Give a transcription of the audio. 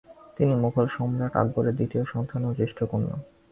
তিনি মুঘল সম্রাট আকবরের দ্বিতীয় সন্তান এবং জ্যেষ্ঠ কন্যা।